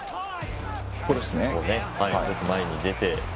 よく前に出て。